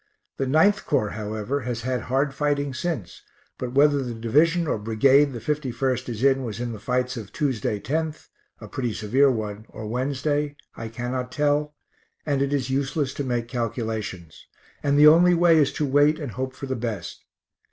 The 9th Corps, however, has had hard fighting since, but whether the division or brigade the 51st is in was in the fights of Tuesday, 10th, (a pretty severe one) or Wednesday, I cannot tell, and it is useless to make calculations and the only way is to wait and hope for the best.